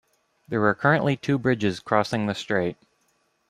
There are currently two bridges crossing the strait.